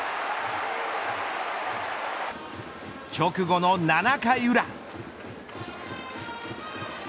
直後の７回裏。